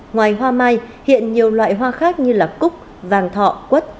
ngoài hoa mai hiện nhiều loại hoa khác như cúc vàng thọ quất